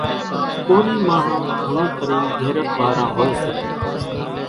ڪورِي ماڻۿان گھڻو ڪرينَ غيرت واران هوئيَ سي۔